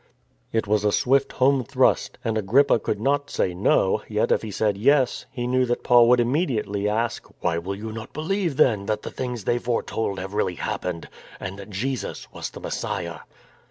It was a swift home thrust, and Agrippa could not say " No "; yet if he said " Yes," he knew that Paul would immediately ask, " Why will you not believe then that the things they foretold have really hap pened, and that Jesus was the Messiah